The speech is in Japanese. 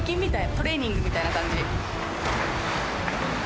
トレーニングみたいな感じ。